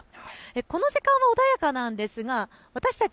この時間は穏やかなんですが私たち